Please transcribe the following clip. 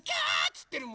つってるもん。